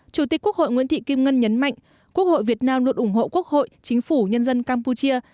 chủ tịch quốc hội nguyễn thị kim ngân nhấn mạnh quốc hội việt nam luôn ủng hộ quốc hội chính phủ nhân dân campuchia